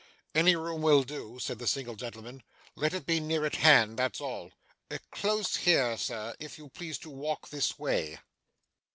'Any room will do,' said the single gentleman. 'Let it be near at hand, that's all.' 'Close here, sir, if you please to walk this way.